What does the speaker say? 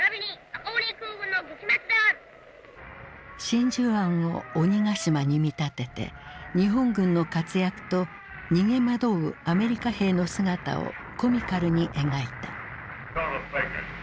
真珠湾を鬼ヶ島に見立てて日本軍の活躍と逃げ惑うアメリカ兵の姿をコミカルに描いた。